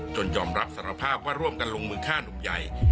ยอมรับสารภาพว่าร่วมกันลงมือฆ่านุ่มใหญ่